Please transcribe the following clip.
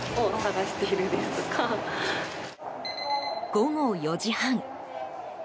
午後４時半。